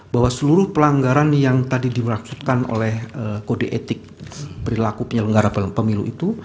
bahwa seluruh pelanggaran yang tadi dimaksudkan oleh kode etik perilaku penyelenggara pemilu itu